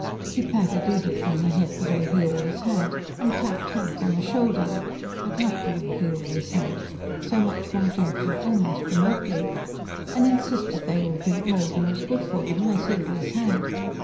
He patted Edith on the head the way he always had, and clapped Hank on the shoulder (but not the way he always had so much more gently, almost remotely), and insisted they all drink more than was good for them as he always had.